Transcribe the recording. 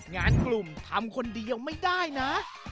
งานกลุ่มทำคนเดียวไม่ได้นะ